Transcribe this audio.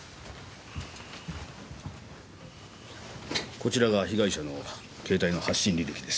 こちらが被害者の携帯の発信履歴です。